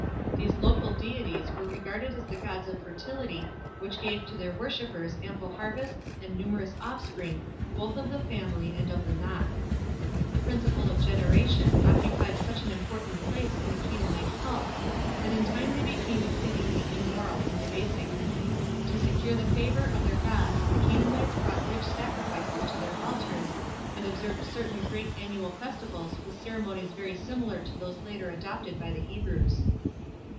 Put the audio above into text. These local deities were regarded as the gods of fertility which gave to their worshippers ample harvests and numerous offspring both of the family and of the nock. The principle of generation occupied such a prominent place in the Canaanite cults that in time they became exceedingly immoral and debasing. To secure the favor of their gods the Canaanites brought rich sacrifices to their altars and observed certain great annual festivals with ceremonies very similar to those later adopted by the Hebrews.